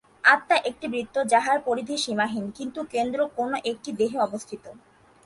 আত্মা একটি বৃত্ত, যাহার পরিধি সীমাহীন, কিন্তু কেন্দ্র কোন একটি দেহে অবস্থিত।